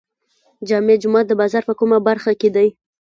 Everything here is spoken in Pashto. جامع جومات د بازار په کومه برخه کې دی؟